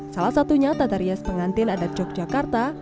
salah satunya tata rias pengantin adat yogyakarta